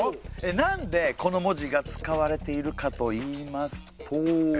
なんでこの文字が使われているかといいますと？